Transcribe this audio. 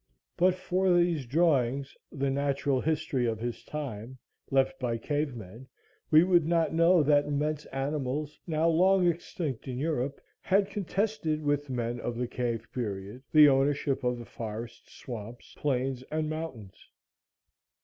But for these drawings the natural history of his time left by cave men, we would not know that immense animals, now long extinct in Europe, had contested with men of the cave period, the ownership of the forests, swamps, plains and mountains.